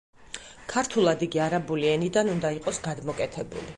ქართულად იგი არაბული ენიდან უნდა იყოს გადმოკეთებული.